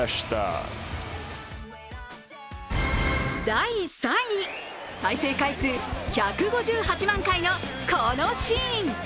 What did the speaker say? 第３位、再生回数１５８万回のこのシーン。